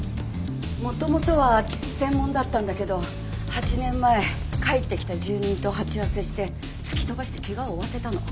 元々は空き巣専門だったんだけど８年前帰ってきた住人と鉢合わせして突き飛ばして怪我を負わせたの。